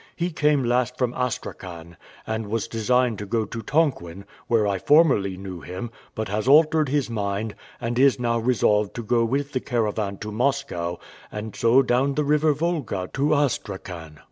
He came last from Astrakhan, and was designed to go to Tonquin, where I formerly knew him, but has altered his mind, and is now resolved to go with the caravan to Moscow, and so down the river Volga to Astrakhan."